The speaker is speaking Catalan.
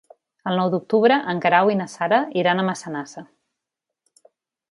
El nou d'octubre en Guerau i na Sara iran a Massanassa.